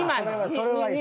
それはいい。